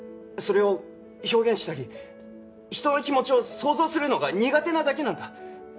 それを表現したり人の気持ちを想像するのが苦手なだけなんだ。